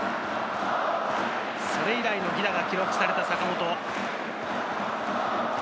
それ以来の犠打が記録された坂本。